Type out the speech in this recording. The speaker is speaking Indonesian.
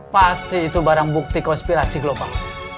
pasti itu barang bukti konspirasi global